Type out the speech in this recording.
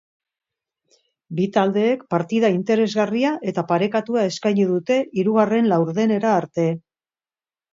Bi taldeek partida interesgarria eta parekatua eskaini dute hirugarren laurdenera arte.